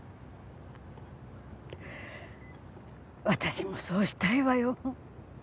私もそうしたいわよ。